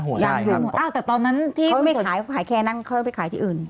ไม่หมดยังอยู่อะแต่ตอนนั้นที่ไม่ขายแค่นั้นเขาจะไปขายที่อื่น